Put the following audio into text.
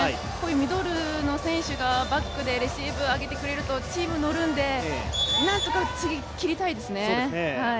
ミドルの選手がバックでレシーブを上げてくれると、チームが乗るんで何とか次、切りたいですね。